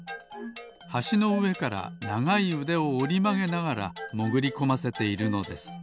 はしのうえからながいうでをおりまげながらもぐりこませているのです。